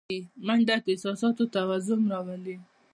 منډه د احساساتو توازن راولي